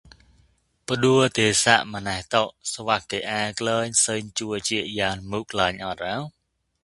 မၞိဟ်ပ္ဍဲဒေသမၞးတံသွက်ဂွံအာကၠုၚ် သုၚ်စောဲစယာန်မုဂၠိုၚ်အိုတ်ရော?